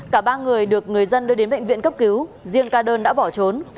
cả ba người được người dân đưa đến bệnh viện cấp cứu riêng ca đơn đã bỏ trốn